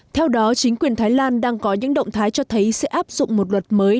theo đó chính quyền thái lan đang có những động thái cho thấy sẽ áp dụng một luật mới